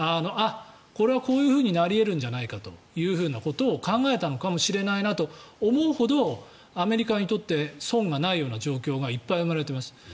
これはこういうふうになり得るんじゃないかというふうなことを考えたのかもしれないなと思うほど、アメリカにとって損がないような状況がいっぱい生まれています。